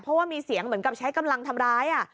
เพราะว่ามีเสียงเหมือนกับใช้กำลังทำร้าย